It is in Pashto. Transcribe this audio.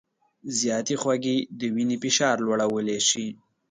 زیاتې خوږې د وینې فشار لوړولی شي.